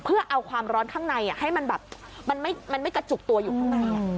เพื่อเอาความร้อนข้างในให้มันแบบมันไม่กระจุกตัวอยู่ข้างใน